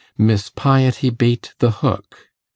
Miss Piety Bait the hook